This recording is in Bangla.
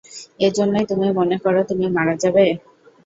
এজন্যই তুমি মনে করো তুমি মারা যাবে?